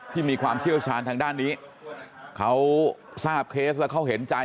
มีความเชี่ยวชาญทางด้านนี้เขาทราบเคสแล้วเขาเห็นใจ